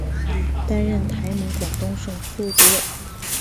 担任台盟广东省副主委。